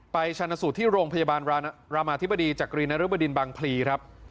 ชาญสูตรที่โรงพยาบาลรามาธิบดีจากกรีนรึบดินบางพลีครับ